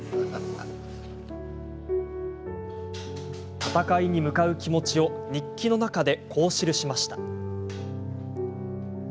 戦いに向かう気持ちを日記の中で、こう記しました。